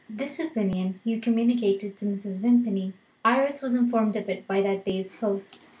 This opinion Hugh communicated to Mrs. Vimpany; Iris was informed of it by that day's post.